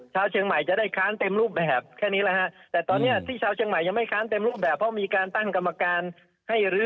ชาวเชียงใหม่จะได้ค้านเต็มรูปแบบแค่นี้แหละฮะ